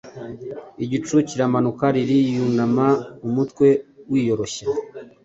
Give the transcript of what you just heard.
Igicu kiramanuka, Lili yunama umutwe wiyoroshya